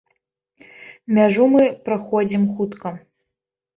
Мяжу мы праходзім хутка.